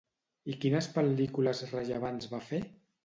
I quines pel·lícules rellevants va fer?